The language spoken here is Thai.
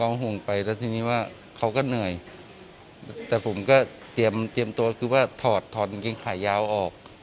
เอาห่วงไปแล้วทีนี้ว่าเขาก็เหนื่อยแต่ผมก็เตรียมตัวคือว่าถอดเกงขายาวออก